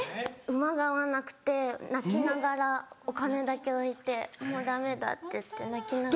馬が合わなくて泣きながらお金だけ置いてもうダメだって言って泣きながら。